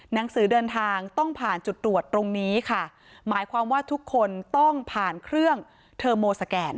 หนังสือเดินทางต้องผ่านจุดตรวจตรงนี้ค่ะหมายความว่าทุกคนต้องผ่านเครื่องเทอร์โมสแกน